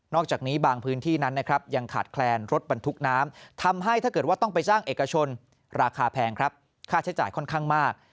จากนี้บางพื้นที่นั้นนะครับยังขาดแคลนรถบรรทุกน้ำทำให้ถ้าเกิดว่าต้องไปจ้างเอกชนราคาแพงครับค่าใช้จ่ายค่อนข้างมาก